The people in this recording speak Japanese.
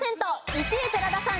１位寺田さん